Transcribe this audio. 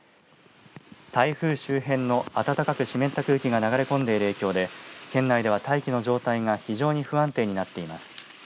台風周辺の暖かく湿った空気が流れ込んでいる影響で県内では大気の状態が非常に不安定になっています。